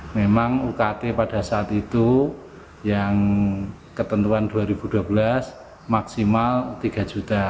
memang ukt pada saat itu yang ketentuan dua ribu dua belas maksimal rp tiga juta